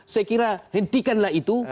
saya kira hentikanlah itu